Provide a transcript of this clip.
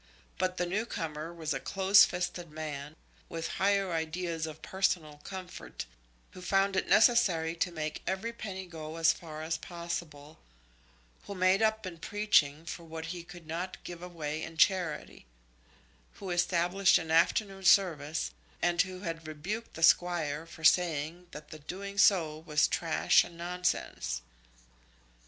But the new comer was a close fisted man, with higher ideas of personal comfort, who found it necessary to make every penny go as far as possible, who made up in preaching for what he could not give away in charity; who established an afternoon service, and who had rebuked the Squire for saying that the doing so was trash and nonsense.